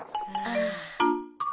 ああ。